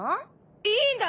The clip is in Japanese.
いいんだ